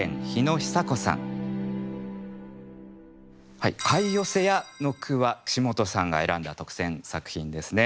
はい「貝寄風や」の句は岸本さんが選んだ特選作品ですね。